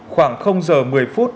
khoảng giờ một mươi phút